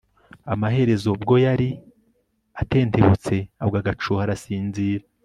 Amaherezo ubwo yari atentebutse agwa agacuho arasinzira